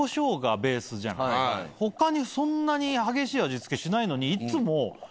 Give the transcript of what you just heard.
他にそんなに激しい味付けしないのにいつも。